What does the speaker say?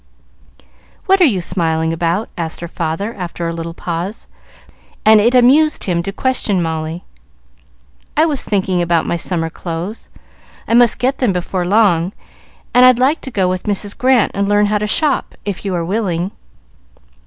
"What are you smiling about?" asked her father, after a little pause, for his head felt better, and it amused him to question Molly. "I was thinking about my summer clothes. I must get them before long, and I'd like to go with Mrs. Grant and learn how to shop, if you are willing."